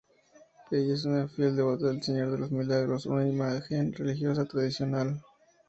Ella es una fiel devota del Señor de los Milagros, una imagen religiosa tradicional.